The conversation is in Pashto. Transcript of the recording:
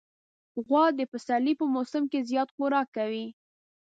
غوا د پسرلي په موسم کې زیات خوراک کوي.